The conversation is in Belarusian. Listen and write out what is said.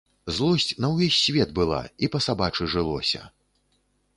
Злосць на ўвесь свет была, і па-сабачы жылося.